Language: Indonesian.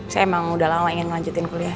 saya emang udah lama ingin melanjutkan kuliah